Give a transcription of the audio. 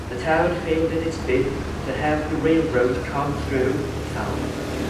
The town failed at its bid to have the railroad come through the town.